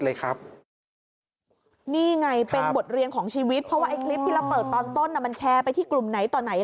เพราะว่าคลิปที่เราเปิดตอนต้นมันแชร์ไปที่กลุ่มไหนต่อไหน